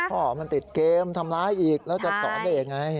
พ่อมันติดเกมทำร้ายอีกแล้วจะสอนได้ยังไง